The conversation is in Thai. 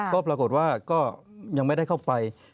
ก็ปรากฏว่าก็ยังไม่ได้เข้าไป